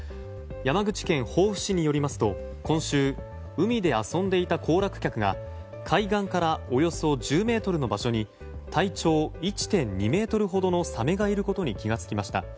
山口県防府市によりますと今週、海で遊んでいた行楽客が海岸からおよそ１０ｍの場所に体長１．２ｍほどのサメがいることに気が付きました。